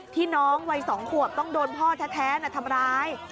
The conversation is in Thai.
น้องวัย๒ขวบต้องโดนพ่อแท้ทำร้าย